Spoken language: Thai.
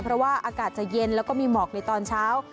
เพราะว่าอากาศจะเย็นแล้วก็มีหมอกในตอนเช้า